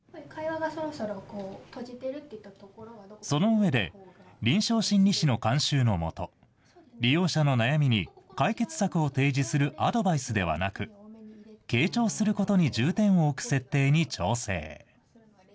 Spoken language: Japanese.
その上で、臨床心理士の監修の下、利用者の悩みに解決策を提示するアドバイスではなく、傾聴することに重点を置く設定に調整。